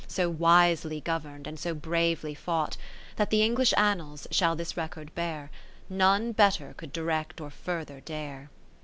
So wisely govern'd, and so bravely fought, That th' English Annals shall this record bear. None better could direct or further dare.